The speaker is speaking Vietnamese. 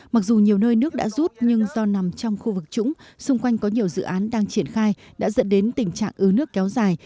mặc dù nhiều nơi nước đã rút nhưng do nằm trong khu vực trũng xung quanh có nhiều dự án đang triển khai đã dẫn đến tình trạng ứ nước kéo dài